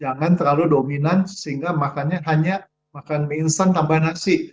jangan terlalu dominan sehingga makannya hanya makan mie instan tambah nasi